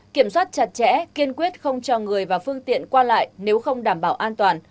kiểm soát chặt chẽ kiên quyết không cho người và phương tiện qua lại nếu không đảm bảo an toàn